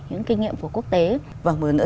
những kinh nghiệm của quốc tế và một nữa